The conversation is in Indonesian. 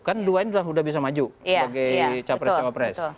kan dua ini sudah bisa maju sebagai capres cawapres